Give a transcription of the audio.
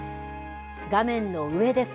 画面の上です。